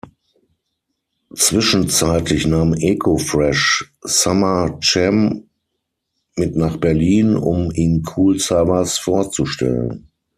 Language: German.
Zwischenzeitlich nahm Eko Fresh Summer Cem mit nach Berlin, um ihn Kool Savas vorzustellen.